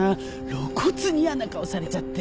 露骨にやな顔されちゃって。